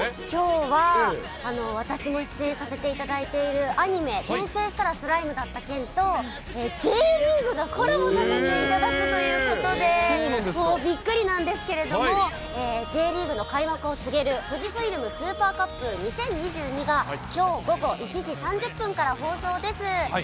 きょうは私も出演させていただいているアニメ、転生したらスライムだった件と、Ｊリーグがコラボさせていただけるということで、もうびっくりなんですけれども、Ｊリーグの開幕を告げるフジフイルムＪリーグスーパーカップ２０２２が、きょう午後１時３０分から放送です。